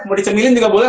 mau dicemilin juga boleh